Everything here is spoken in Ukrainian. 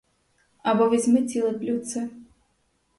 Або візьми ціле блюдце.